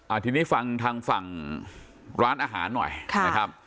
ทีนี้ฟังทางฝั่งร้านอาหารหน่อยค่ะนะครับ